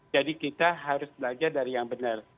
jadi kita harus belajar dari yang benar